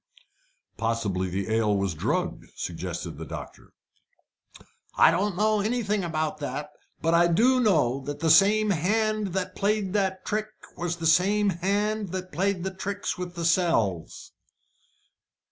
"Possibly the ale was drugged," suggested the doctor. "I don't know nothing about that, but I do know that the same hand that played that trick was the same hand that played the tricks with the cells."